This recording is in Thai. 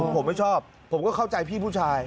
ผมไม่ชอบผมก็เข้าใจพี่ผู้ชาย